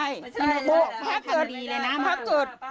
ไม่ใช่ไม่ได้ไม่ได้ไม่ได้ไม่ได้ไม่ได้